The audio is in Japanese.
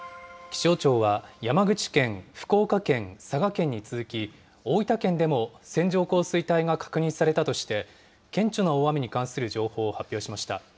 気象庁は山口県、福岡県、佐賀県に続き、大分県でも線状降水帯が確認されたとして、顕著な大雨に関する情報を発表しました。